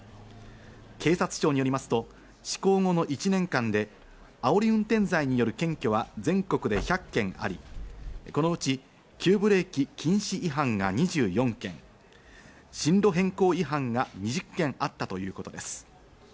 警察庁によりますと、施行後の１年間であおり運転罪による検挙は全国で１００件あり、このうち急ブレーキ禁止違反が２４件、進路変更違反が２０件あったということです。